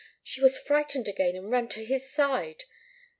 She was frightened again, and ran to his side.